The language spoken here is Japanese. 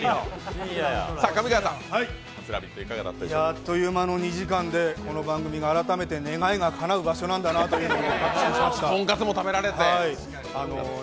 あっという間の２時間で改めてこの番組が願いがかなう場所なんだなということを確信しました。